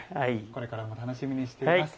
これからも楽しみにしています。